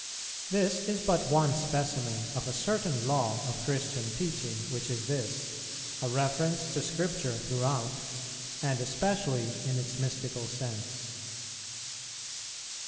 This is but one specimen of a certain law of Christian teaching, which is this, a reference to Scripture throughout, and especially in its mystical sense.